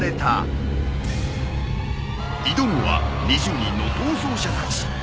挑むは２０人の逃走者たち。